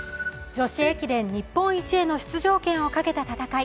女子駅伝日本一への出場権をかけた戦い